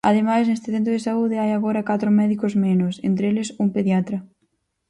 Ademais, neste centro de saúde hai agora catro médicos menos, entre eles un pediatra.